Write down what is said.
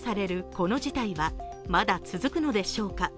この事態はまだ続くのでしょうか。